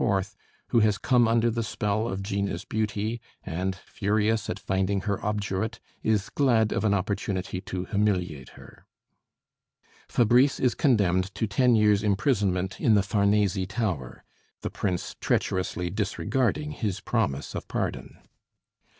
who has come under the spell of Gina's beauty, and furious at finding her obdurate, is glad of an opportunity to humiliate her. Fabrice is condemned to ten years' imprisonment in the Farnese tower, the Prince treacherously disregarding his promise of pardon.